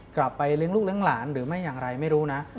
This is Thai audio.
กลับไปเลี้ยงลูกเลี้ยงหลานหรือไม่อย่างไรไม่รู้นะ